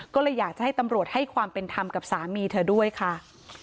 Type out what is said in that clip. ก็เลยอยากจะให้ตำรวจให้ความเป็นธรรมกับสามีเธอด้วยค่ะ